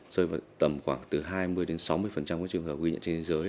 rồi tầm khoảng từ hai mươi đến sáu mươi của trường hợp ghi nhận trên thế giới